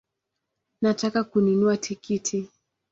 Nataka kununua tikiti